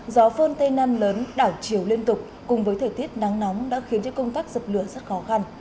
gió phơn tây nam lớn đảo chiều liên tục cùng với thời tiết nắng nóng đã khiến cho công tác dập lửa rất khó khăn